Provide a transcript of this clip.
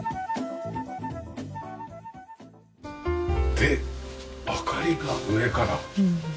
で明かりが上から。